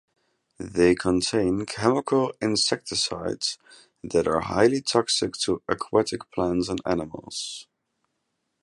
They contain chemical insecticides that are highly toxic to aquatic plants and animals.